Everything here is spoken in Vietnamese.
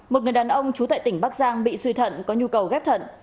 một người đàn ông trú tại tỉnh bắc giang bị suy thận có nhu cầu ghép thận